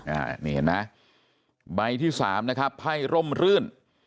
อ่านี่เห็นไหมใบที่สามนะครับไพ่ร่มรื่น